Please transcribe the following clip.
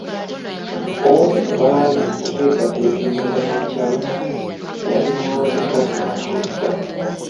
Omu ku baali mu kuteekateeka embaga ya Chalter yali Mwami Gaster Nsubuga.